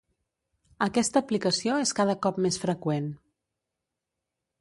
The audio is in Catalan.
Aquesta aplicació és cada cop més freqüent.